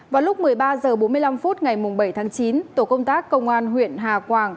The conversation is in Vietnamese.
vào lúc một mươi ba h bốn mươi năm phút ngày bảy tháng chín tổ công tác công an huyện hà quảng